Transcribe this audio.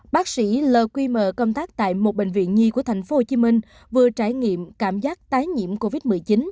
bác sĩ l quy mờ công tác tại một bệnh viện nhi của thành phố hồ chí minh vừa trải nghiệm cảm giác tái nhiễm covid một mươi chín